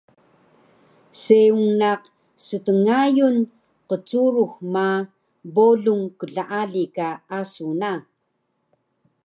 Seung naq stngayun qcurux ma bolung klaali ka asu na